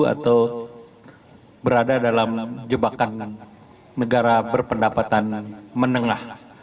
atau berada dalam jebakan negara berpendapatan menengah